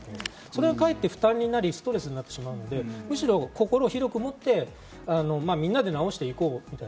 それがかえって負担になってストレスになるので、むしろ心を広く持って、みんなで治していこうと。